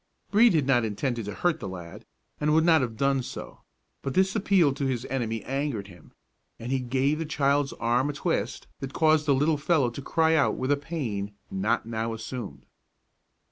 Brede had not intended to hurt the lad, and would not have done so; but this appeal to his enemy angered him, and he gave the child's arm a twist that caused the little fellow to cry out with a pain not now assumed.